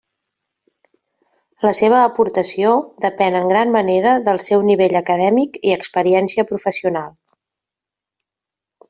La seva aportació depèn en gran manera del seu nivell acadèmic i experiència professional.